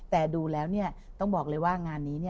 แต่ดูแล้วเนี่ยต้องบอกเลยว่า